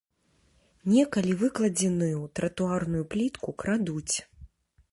Некалі выкладзеную тратуарную плітку крадуць.